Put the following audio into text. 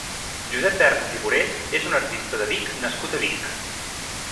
Josep Vernis i Burés és un artista de Vic nascut a Vic.